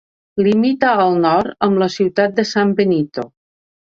Limita al nord amb la ciutat de San Benito.